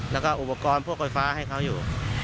แล้วก็อุปกรณ์พวกไฟฟ้าให้เขาอยู่